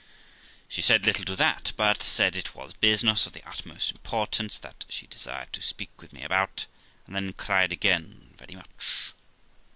She said li ttle to that, but said it was business of the utmost importance that she desired to speak with me about, and then cried again very much.